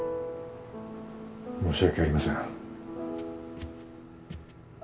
申し訳ありません